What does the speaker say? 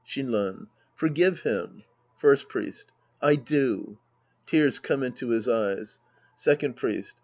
Shinran. Forgive him. First Priest. I do. (Tears come into his eyes.) Second Priest.